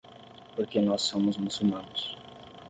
Porque nós somos muçulmanos.